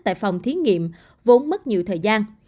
tại phòng thí nghiệm vốn mất nhiều thời gian